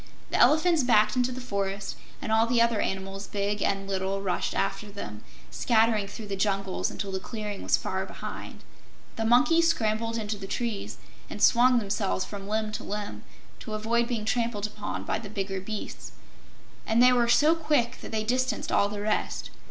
The elephants backed into the forest, and all the other animals, big and little, rushed after them, scattering through the jungles until the clearing was far behind. The monkeys scrambled into the trees and swung themselves from limb to limb, to avoid being trampled upon by the bigger beasts, and they were so quick that they distanced all the rest.